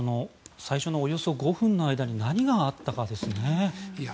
最初のおよそ５分の間に何があったかですね。